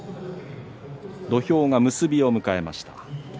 土俵は結びを迎えました。